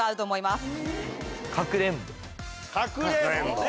かくれんぼね。